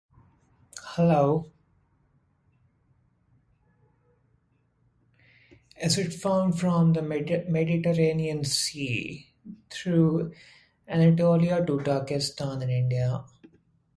It is found from the Mediterranean Sea, through Anatolia to Turkestan and India.